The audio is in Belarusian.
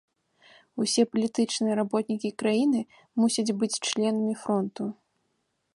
Усе палітычныя работнікі краіны мусяць быць членамі фронту.